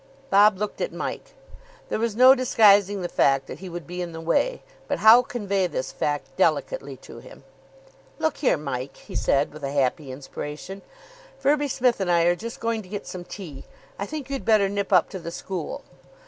Bob looked at Mike. There was no disguising the fact that he would be in the way; but how convey this fact delicately to him? "Look here, Mike," he said, with a happy inspiration, "Firby Smith and I are just going to get some tea. I think you'd better nip up to the school.